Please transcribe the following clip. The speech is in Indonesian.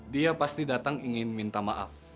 dia pasti datang ingin minta maaf